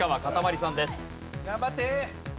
頑張って！